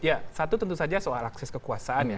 ya satu tentu saja soal akses kekuasaan ya